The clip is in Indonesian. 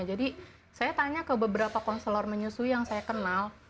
jadi saya tanya ke beberapa konselor menyusui yang saya kenal